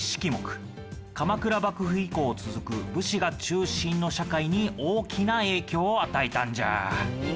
鎌倉幕府以降続く武士が中心の社会に大きな影響を与えたんじゃ。